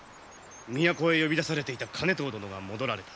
都へ呼び出されていた兼遠殿が戻られた。